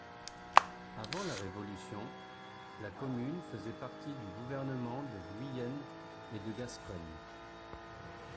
Avant la Révolution, la commune faisait partie du gouvernement de Guyenne et de Gascogne.